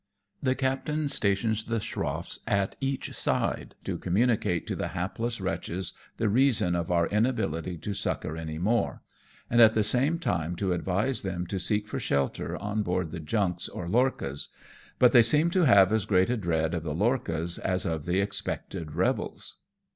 The captain stations the schroffs at each side, to communicate to the hapless wretches the reason of our inability to succour any more, and at the same time to advise them to seek for shelter on board the junks or lorchas, but they seem to have as great a dread of the lorchas as of the expected rebels.